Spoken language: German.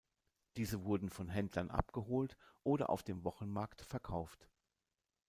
Diese wurden von Händlern abgeholt oder auf dem Wochenmarkt verkauft.